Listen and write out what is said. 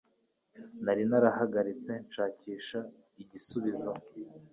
Nari narahagaritse nshakisha igisubizo